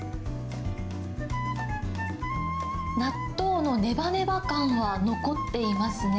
納豆のねばねば感は残っていますね。